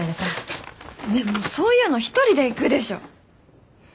ねえもうそういうの一人で行くでしょ。